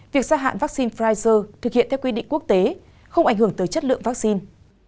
việc gia hạn vaccine pfizer thực hiện theo quy định quốc tế không ảnh hưởng tới chất lượng vaccine